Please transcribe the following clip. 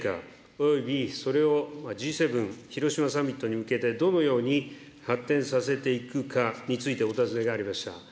および、それをＧ７広島サミットに向けて、どのように発展させていくかについてお尋ねがありました。